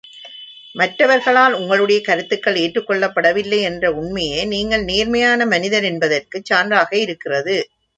மற்றவர்களால் உங்களுடைய கருத்துக்கள் ஏற்றுக் கொள்ளப்படவில்லை என்ற உண்மையே நீங்கள் நேர்மையான மனிதர் என்பதற்குச் சான்றாக இருக்கிறது.